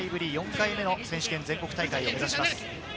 ４回目の選手権、全国大会を目指します。